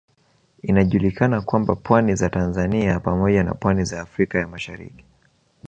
Inajulikana kwamba pwani za Tanzania pamoja na pwani za Afrika ya Mashariki